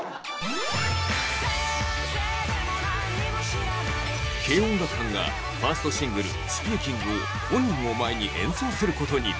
「先生でも何にも知らない」軽音楽班がファーストシングル『Ｓｐｅａｋｉｎｇ』を本人を前に演奏する事に